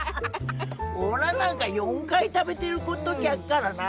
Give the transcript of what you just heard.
おらなんか４回食べてるときあっからな。